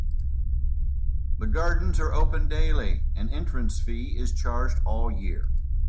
The gardens are open daily; an entrance fee is charged all year.